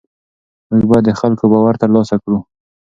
موږ باید د خلکو باور ترلاسه کړو.